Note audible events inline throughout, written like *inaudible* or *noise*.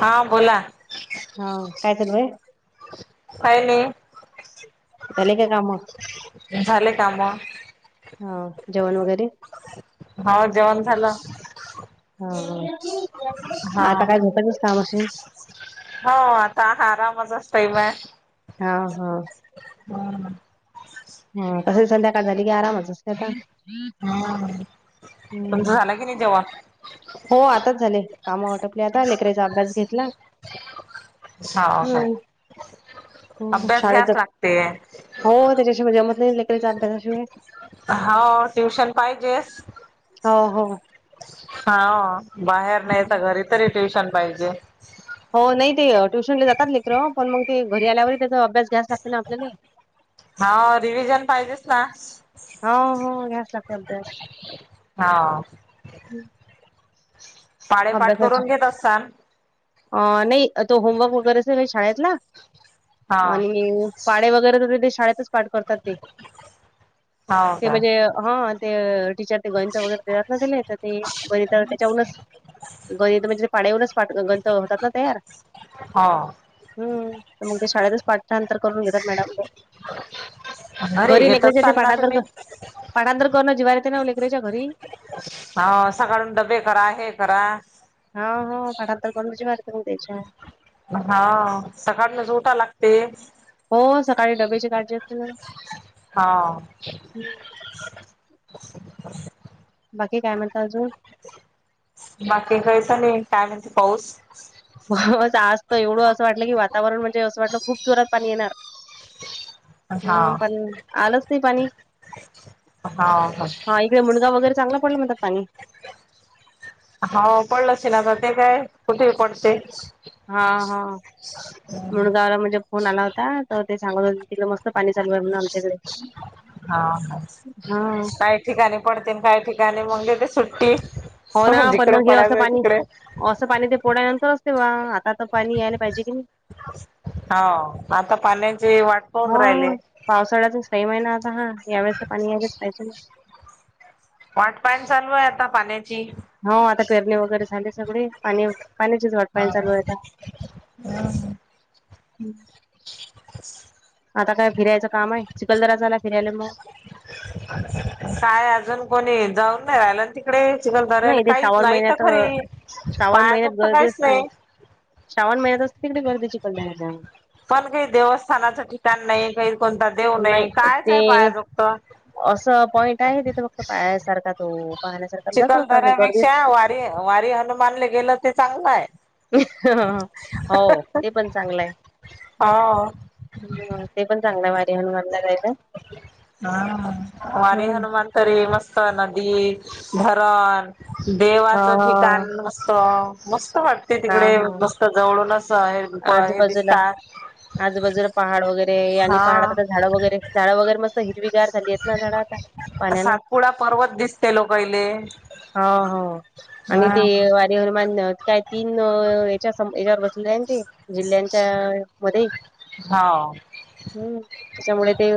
हा बोला होव काय चालु आहे? काय नाही. झाले काय काम झाले काम? हा जेवण वगैरे? हो जेवण झालं. हा हा आता काय घतातच काम असे. हो आता आरामच असतय मग हा हा हम् ह तस संध्याकाळ झाली की आरामच. *unintelligible* हम् तुमचं हम्म झालं की नाही जेवणं? हो आताच झाले काम आटपले आता लेकराचा अभ्यास घेतला. हो हो हम्म हो अभ्यास शाळेत घ्यास जात लागते. हो त्याच्याशिवाय जमत नाही लेकराचे अभ्यासाशिवाय हो ट्युशन पाहिजेस. हो हो हो बाहेर नाही तर घरी तरी ट्युशन पाहिजे. हो नाही ते ट्युशनला जातात लेकर पण मग ते घरी आल्यावरही त्याचा अभ्यास घ्यास लागत ना आपल्याले. हा रिव्हीजन पाहिजेच ना. हो हो घ्यास लागते अभ्यास. होव. पाढे पाठ अभ्यासाचा करून घेत असताल अ नाही तो होमवर्क वगैरे असेल शाळेत ना हा आणि पाढे वगैरे तर तेे शाळेतच पाठ करतात ते हो ते का म्हणजे हा ते टीचर ते गणितं वगैरे देतात ना दिले तर ते गणित त्याच्याहुनच गणित म्हणजे ते पाढ्यावुन पाढ गणित होतात ना तयार हा हम् तर मग ते शाळेतच पाठांतर करून घेतात मॅडम ते घरी घेत लेकरांच्या ते असताल ना पाठांतर तुम्ही तर ग पाढांतर करणं जिवावर येते ना ओ लेकरांच्या घरी ह सकाळुन डबे करा हे करा हा ह पाठांतर करूची बार त्याच्या हा सकाळन उठावं लागते हो सकाळी डबेची काळजी असते न होव बाकी काय म्हणता अजुन बाकी काहीच नाही काय म्हणते पाऊस पाऊस आज तर एवढं असं वाटलं की वातावरण म्हणजे असं वाटलं खूप जोरात पाणी येणार हा हम्म पण आलंच नाही पाणी हां मुडगाव वगैर चांगला पडला म्हणतात पाणी हो पडलं असेल आता ते काय कुठेही पडते हा हा म्हणून ला म्हणजे फोन आला होता तर ते सांगत हो तिथ मस्त पाणी चालू आहे म्हणून आमच्याकडे हा हा काही ठिकाणी पडते काही ठिकाणी मग देते सुट्टी हो ना पण जिकडे मग हे असं पडायचंय पाणी तिकडे पाणी ते पोडाय नंतर असते वा आता तर पाणी यायला पाहिजे की नाही होव आता पाण्याची वाट पाहुन राहिले पावसाळ्याचा टाईम आहे ना आता हा यावेळेसं तर पाणी यायला पाहिजे वाट पाहणं चालू आहे आता पाण्याची हा आता पेरणी वगैरे झाली सगळी. पाणी पाण्याचीच वाट पाहणं चालू आहे आता. हं हं आता काय फिरायचं काम आहे चिखलदरा झाला फिरायला मग काय अजून कोणी जाऊन नाही राहिलं ना ते इकडे नाही चिखलधार्याले इथे काहीच श्रावण नाही तर महिन्यात खरी श्रावण पाया महिन्यात जोगत गर्दी काहीच असते नाही श्रावण महिन्यात च तिकडे गर्दी चिखलदरा च्या पण काही देवस्थानाचं ठिकाण नाही काही कोणता देव नाही कायच आहे पाह्याजोगत असं पॉइंट आहे तिथे फक्त पाहायसारखा तो पाहण्यासारखा जातो आता ते गर्दीत चिखलदऱ्यापेक्षा वारी वारी हनुमानले गेलं ते चांगलं हाय हो ते पण चांगलं हाय हाव हम ते पण चांगलंय वारी हनुमानला जाय वारी हम्म हनुमान तरी मस्त नदी, धरण हा देवाचं ठिकाण मस्त, मस्त वाटते हा तिकडे हा मस्त तं जवळूनंच आहे. आजूबाजूला आजूबाजूला पहाड वगैरे आणि पहाडात हा आता झाडं वगैरे झाडं वगैर मस्त हि हिरवीगार झाली येत ना झाडं आता पाण्यानं सातपुडा पर्वत दिसते लोकायले. हा हो आणि हा ते वारी हनुमान काय तीन याच्या याच्यावर बसले आहे ना ते जिल्ह्यांच्या मध्ये हाव *inaudible* हम्म त्याच्यामुळे ते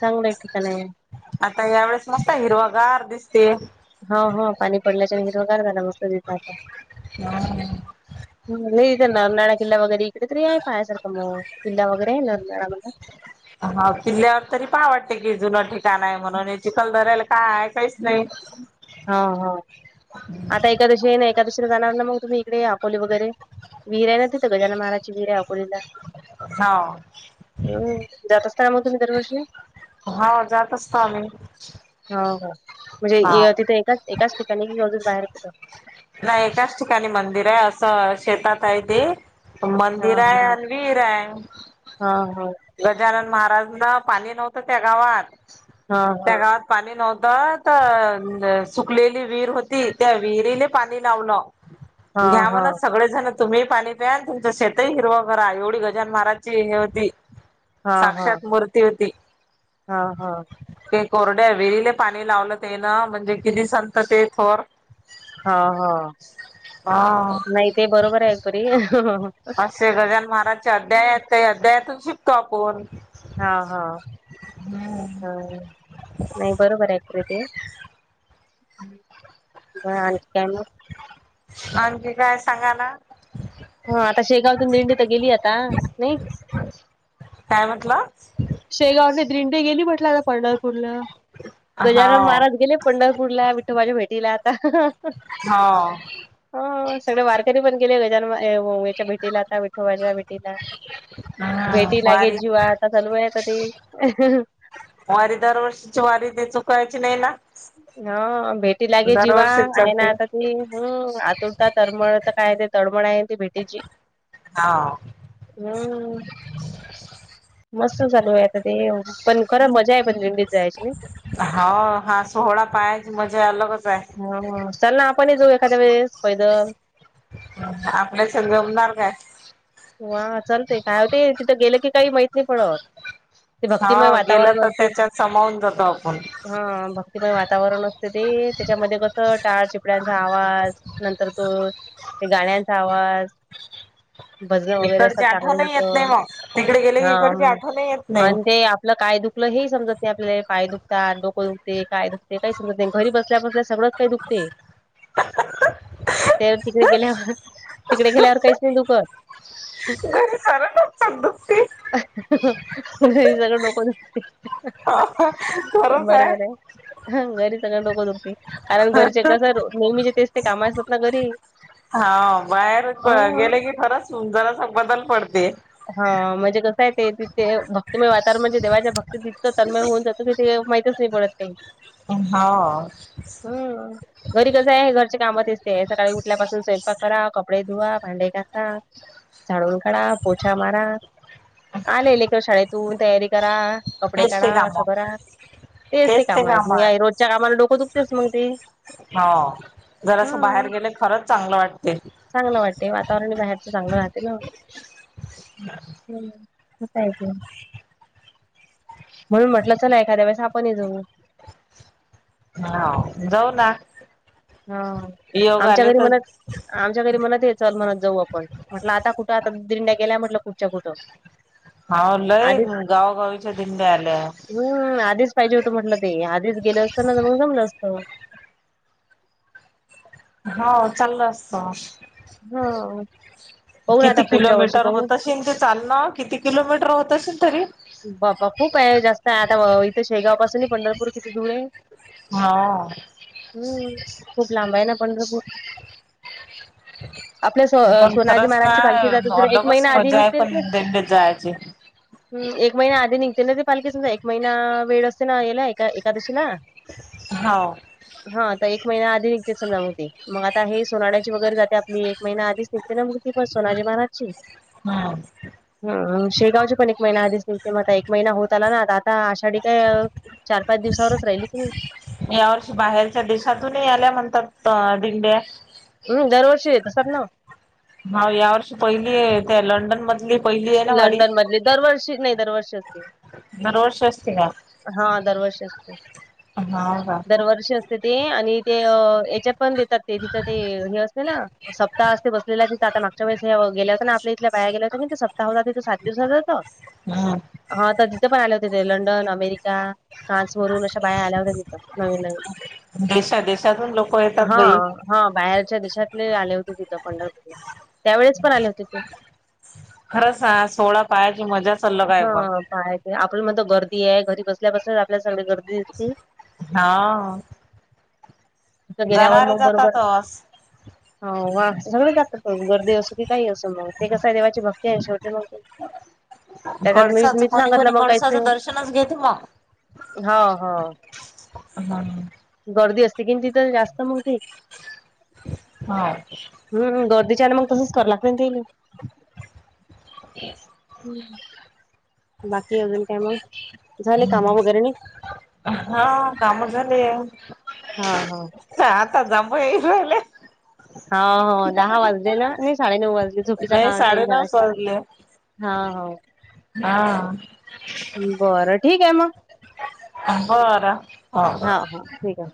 चांगलं ठिकाण आहे. आता यावेेळेस मस्त हिरवा गार दिसते. हो हो पाणी पडल्याच्यान हिरवागार झाला मस्त तिथं आता. हा. नाही इथं नरनाळा किल्ला वगैरे इकडे तर ये. पाहायसारखं मग किल्ला वगैरे आहे नरनाळा म हा किल्ल्यावर तरी पहावं वाटते की जुनं ठिकाण आहे म्हणून हे चिखलदऱ्याला काय हाय काहीच नाही हा हा *inaudible* आता एकादशी आहे ना, एकादशीला जाणार ना मग तुम्ही इकडे अकोली वगैरे? विहिर आहे ना तिथं गजानन महाराजांची विहिर आहे अकोलीला. हावू हम्म जात असता ना मग तुम्ही दरवर्षी? हा जात असतो आम्ही. हं हो हा. म्हणजे तिथे एकाच एकाच ठिकाणी कि अजून बाहेर कुठं? नाही एकाच ठिकाणी मंदिर आहे असं शेतात आहे ते हा मंदिर आहे हा. अन विहीर आहे. हा होय गजानन महाराजना पाणी नव्हतं त्या गावात, हा हा त्या गावात पाणी नव्हतं तं सुकलेली विहीर होती तं त्या विहिरीले पाणी लावलं. हा घ्या हा म्हणा सगळेजणं तुम्ही पाणी प्या आणि तुमच शेतही हिरवा करा एवढी गजानन महाराजची हे होती हा हा हा साक्षात मूर्ती होती हा हा एक *unintelligible* कोरड्या विहिरील पाणी लावलं तेन म्हणजे किती संत ते थोर. हा हो हा नाही ते बरोबर आहे खरी ते गजानन महाराज त्या अध्यायात अध्यायतून शिकतो आपून हा हा ह नाही बरोबर आहे खरं ते बरं आणखी काय मग? आणखी काय सांगा ना हा आता शेगावतून दिंडी तर गेली आता नाही काय म्हटलं? शेगावने दिंडी गेली म्हटलं आता पंढरपूरला, गजानन हो महाराज गेले पंढरपूरला विठाबाच्या भेटीला आता हो हा सगळे वारकरी पण गेले गजानन याच्या भेटीला आता विठोबाच्या भेटीला. हम्म भेटी लागे वारी जीवा आता चालू आहे वारी दरवर्षीची वारी ते चुकायची नाही ना? हा भेटी लागे जीवा दरवर्षीच आहे ना जाते. आता ती हम आतुरता तळमळ तर काय ते तळमळ आहे ती भेटीची. हा हम् मस्त चालू आहे आता ते पण खरं मजा आहे पण दिंडीत जायची ना हा सोहळा पायाच मजा अलगच आहे. ह चल ना आपण जाऊ एखाद्या वेळेस पैदल *unintelligible* आपल्याच जमणार काय? वा चालतेय काय होते तिथं गेलं की काही माहीत नाही पडत ते भक्तिमय हा गेलं वातावरण तर असते त्याच्यात समावून जातो आपण हा भक्तिमय वातावरण असते ते त्याच्यामध्ये कस टाळ चिपड्यांचा आवाज नंतर तो गाण्यांचा आवाज भजन वगैरे असं इकडची चांगलं आठवण येत नाही होेत मग तिकडे गेले की हा इकडची मग आठवण येत नाही आणि ते आपलं काय दुख आपुलं हे समजत नाही आपल्याला पाय हे दुखतात दुखते काय दुखते काही समजत नाही घरी बसल्या बसल्या सगळंच काही दुखते. त्यावर तिकडे गेल्यावर तिकडे गेल्यावर काहीच नाही दुखत. हम् *unintelligible* घरी सगळं डोक दुखतंय. अहह खरंच हाय. आहे घरी सगळ डोकं दुखतंय कारण घरचे कसं नेहमीचे तेच ते काम असतात ना घरी हा बाहेर गेले की खरंच जरास बदल पडते. हा म्हणजे कसं आहे ते ते भक्तीमय वातावरण म्हणजे देवाच्या भक्ती इतक तन्मय होऊन जातो तिथे माहतीच तीच पडत काही. हा हम्म घरी कसं आहे घरचे कामात असते सकाळी उठल्यापासून स्वयंपाक करा, कपडे धुवा, भांडे घासा झाडून काढ, पोछा मारा, आले लेकर शाळेतून तयारी करा. कपडे तेच काढा ते असं काम करा तेच ते काम आहेत मग रोजच्या कामाला डोकं दुखतेस मग ते. हो ह जरासं बाहेर गेले खरंच चांगलं वाटते. चांगलं वाटते वातावरण बाहेरच चांगलं राहते ना. हम् अस हाय ते. म्हणून म्हटलं चला एखाद्या वळेस आपण जाऊ. हा जाऊ ना. हा योग आमच्या आले घरी तर म्हणत आमच्या घरी म्हणत हे चाल म्हणत जाऊ आपण म्हटलं आता कुठं आता दिड्या गेल्याय म्हटलं कुठच्या कुठं. हा लय आधीच गावागावीच्या दिंडे आल्या हम्म आधीच पाहिजे होतं म्हटलं ते आधीच गेले असतना तर मग जमलं असतं. हो चालल असत. हा पाहू ना आता किती पुढच्या वर्षी किलोमीटर पाहू होत शिम चालना किती किलोमीटर होत असेल तरी. बापा खूप आहे जास्त आहे आता इथ शेगाव पासून पंढरपूर किती दूर हे. हा हम्म खूप लांब आहे ना पंढरपूर. आपल्या स पण सोनाजी खरंच ना महाराजची पालखी जात त एक महिना आधी निघते ती जायचे. हम् एक महिना आधी निघते ना ते पालखीच एक महिना वेळ असते ना याला एका एकादशीला. हो हा तर एक महिना आधी निघते समजा म ती मग आता हे सोनळ्याची वगैरे जाते आपली एक महिना आधीच निघते ना ती पण सोनाजी महाराजची. हम्म हम शेगावची पण एक महिना आधीच निघते मता एक महिना होत आला ना आ आता आषाढी काय चार पाच दिवसावरच राहिली की. या वर्षी बाहेरच्या देशातूनही याल्या म्हणतात दिंड्या हम् दरवर्षी येत असतात ना ह या वर्षी पहिली त्या लंडन मधली पहिली आहे ना वारी लंडन मधली दरवर्षी नाही दरवर्षी असते. दरवर्षी असते का? हा दरवर्षी असते हाव का दरवर्षी त ते आणि ते याच्यात पण देतात ते तिथं ते हे असते ना सप्ताहते बसलेल्या आता मागच्या वेळेस गेल्या होत ना आपल्या इथल्या बाया गेल्या होत ते तिथं सात दिवसाचा होत हम्म हा तर तिथे पण आले होते ते लंडन, अमेरिका फ्रान्स वरून अशा बाया आल्या होत्या तिथं नवीन नवीन. देशात देशातून लोकं येतात हा बई. हा बाहेरच्या देशातले आले होते तिथं पंढरपूरला, त्यावेळेस पण आले होते ते. खरंच हा सोळा पायाची मजाच अलग आहे हा पण पहाय येते, आपल्या म्हणत गर्दी आहे घरी बसल्यापासून आपल्याला सगळी गर्दी दिसते. हा तिथं गेल्यावर जाणारे मग बरोबर जातातच. हो, वा सगळे जातात गर्दी असूदे काही असू मग, ते कस आहे देवाची भ ती आहे शेवटी मग त्याच्यात मी कडसाचं मीच कोणी सांगितलं कोणी मग काहीच कडसाचं नाही दर्शनच घेते मग. हा हो हम्म गर्दी असते कि तिथं जास्त मग ते. हा हम्म हम्म, गर्दीच्या आणि मग तसच कराय लागत ना ते. बाकी अजून काय मग, झाले कामं वगैरे नि? हा कामं झालीय. हा हा ह आता जांभइ येऊ राहिले. हा, हो दहा वाजले ना नाही साडे नऊ वाजले, झोपी नाही जाता टाईम झाला साडेनऊ असेल. वाजले हाव हा बरं ठीक आहे मग. बरं हो. ठीकय.